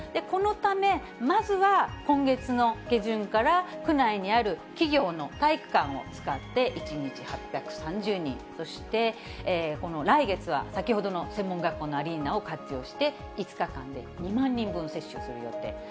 このため、まずは今月の下旬から区内にある企業の体育館を使って、１日８３０人、そして、この来月は、先ほどの専門学校のアリーナを活用して、５日間で２万人分接種する予定。